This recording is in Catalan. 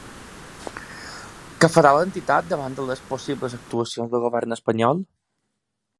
Què farà l’entitat davant de les possibles actuacions del govern espanyol?